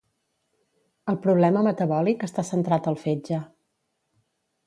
El problema metabòlic està centrat al fetge.